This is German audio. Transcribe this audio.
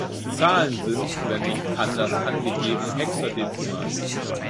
Zahlen sind, wenn nicht anders angegeben, hexadezimal.